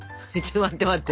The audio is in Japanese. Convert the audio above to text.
待って待って。